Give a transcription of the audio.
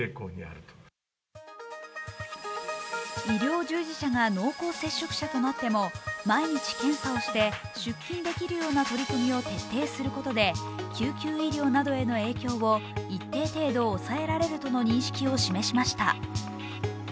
医療従事者が濃厚接触者となっても毎日検査をして出勤できるような取り組みを徹底することで救急医療などへの影響を一定程度、抑えられるとの認識を示しました。